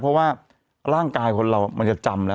เพราะว่าร่างกายคนเรามันจะจำแล้ว